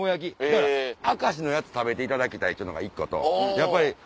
だから明石のやつ食べていただきたいというのが１個とやっぱり。